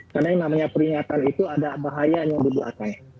karena yang namanya peringatan itu ada bahaya yang dibuatnya